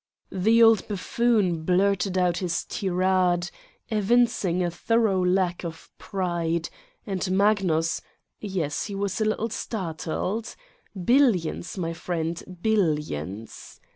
The old buffoon blurted out his tirade, evincing a thorough lack of pride, and Magnus yes, he was a little startled. Billions, my friend, billions.